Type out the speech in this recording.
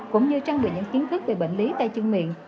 cũng như trang bị những kiến thức về bệnh lý tay chân miệng